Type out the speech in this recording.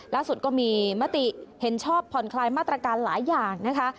ล่าสุดก็มีมติเห็นชอบผ่อนคลายมาตรการหลายอย่างนะคะ